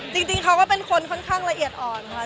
จริงเขาก็เป็นคนค่อนข้างละเอียดอ่อนค่ะ